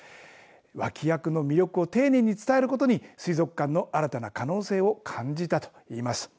脇役の魅力を丁寧に伝えることに水族館の新たな可能性を感じたといいます。